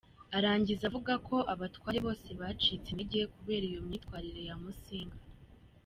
Arangiza avuga ko abatware bose bacitse intege kubera iyo myitwarire ya Musinga.